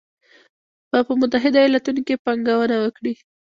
به په متحدو ایالتونو کې پانګونه وکړي